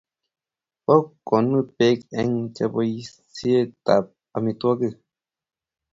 Bo komonut Bek eng chobisietab amitwogik